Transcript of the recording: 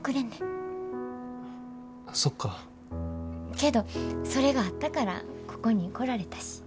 けどそれがあったからここに来られたし。